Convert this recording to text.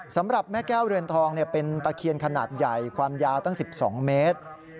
สำหรับแม่แก้วเรือนทองเป็นตะเคียนขนาดใหญ่ความยาวตั้ง๑๒เมตร